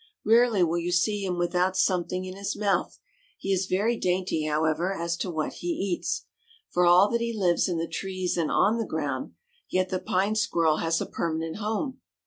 Rarely will you see him without something in his mouth. He is very dainty, however, as to what he eats. For all that he lives in the trees and on the ground, yet the Pine Squirrel has a permanent home.